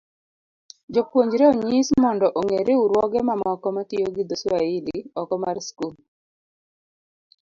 jopuonjre onyis mondo ong'e riwruoge mamoko matiyo gi dho Swahili oko mar skul.